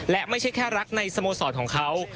และไม่ใช่แค่รักในสโมสรของเขา